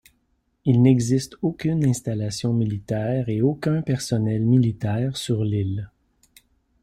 Il n'existe aucune installation militaire et aucun personnel militaire sur l'île.